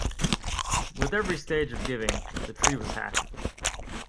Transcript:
With every stage of giving, "the Tree was happy".